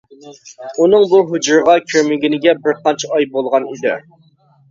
ئۇنىڭ بۇ ھۇجرىغا كىرمىگىنىگە بىر قانچە ئاي بولغان ئىدى.